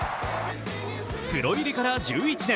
プロ入りから１１年